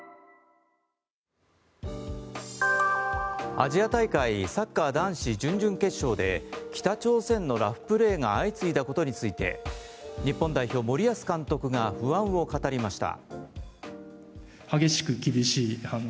アジア大会サッカー男子準々決勝で北朝鮮のラフプレーが相次いだことについて日本代表、森保監督が不安を語りました。